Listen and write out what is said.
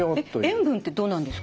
塩分ってどうなんですか？